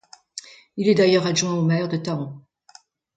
Il est d'ailleurs adjoint au maire de Thaon.